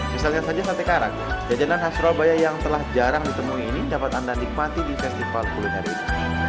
misalnya saja sate karak jajanan khas surabaya yang telah jarang ditemui ini dapat anda nikmati di festival kuliner ini